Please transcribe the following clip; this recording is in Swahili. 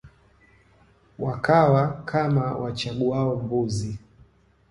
Wakawa kama wachaguao mbuzi